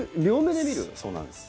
そうなんです。